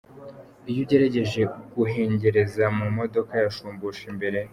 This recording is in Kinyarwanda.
Iyo ugerageje guhengereza mu modoka ya Shumbusho imbere.